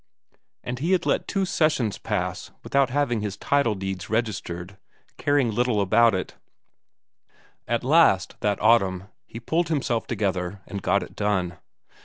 And he had let two sessions pass without having his title deeds registered, caring little about it; at last, that autumn, he had pulled himself together and got it done.